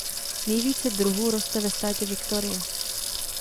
Nejvíce druhů roste ve státě Victoria.